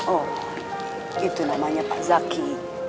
oh itu namanya pak zaki